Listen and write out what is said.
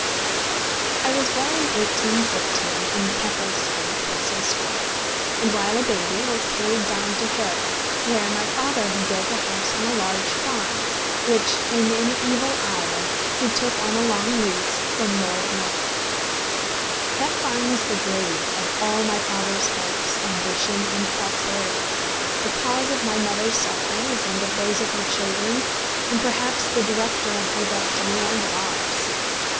I was born in 1815, in Keppel Street, Russell Square; and while a baby, was carried down to Harrow, where my father had built a house on a large farm which, in an evil hour he took on a long lease from Lord Northwick. That farm was the grave of all my father's hopes, ambition, and prosperity, the cause of my mother's sufferings, and of those of her children, and perhaps the director of her destiny and of ours.